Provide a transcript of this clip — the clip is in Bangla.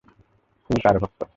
তুমি কার ভক্ত?